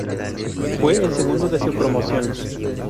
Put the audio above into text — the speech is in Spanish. Fue el segundo de su promoción.